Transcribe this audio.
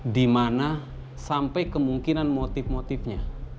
di mana sampai kemungkinan motif motifnya